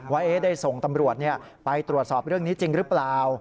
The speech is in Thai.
ว่าได้ส่งตำรวจไปตรวจสอบเรื่องนี้จริงหรือเปล่า